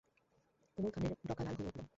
কুমুর কানের ডগা লাল হয়ে উঠল।